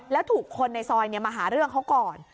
แล้วถูกคนในซอยมาหาเรื่องเขาก่อน